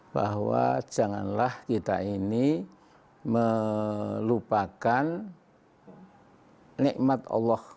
bahwa janganlah kita ini melupakan nikmat allah